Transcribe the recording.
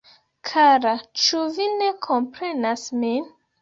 Kara ĉu vi ne komprenas min?